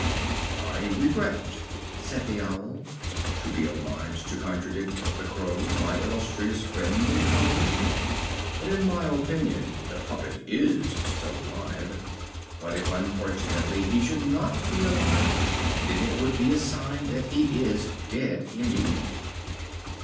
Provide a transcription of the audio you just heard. "I regret," said the Owl, "to be obliged to contradict the Crow, my illustrious friend and colleague; but, in my opinion the puppet is still alive; but, if unfortunately he should not be alive, then it would be a sign that he is dead indeed!"